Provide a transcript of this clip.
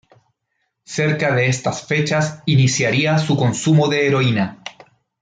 Cerca de estas fechas iniciaría su consumo de heroína.